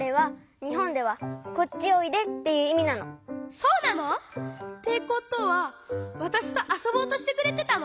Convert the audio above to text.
そうなの！？ってことはわたしとあそぼうとしてくれてたの？